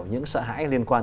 những sợ hãi liên quan